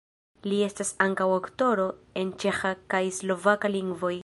Li estas ankaŭ aktoro en ĉeĥa kaj slovaka lingvoj.